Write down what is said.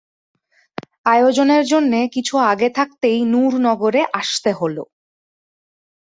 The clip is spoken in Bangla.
আয়োজনের জন্যে কিছু আগে থাকতেই নুরনগরে আসতে হল।